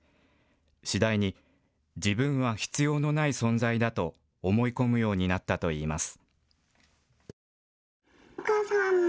次第に自分は必要のない存在だと思い込むようになったといいます。